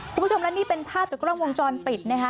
คุณผู้ชมและนี่เป็นภาพจากกล้องวงจรปิดนะคะ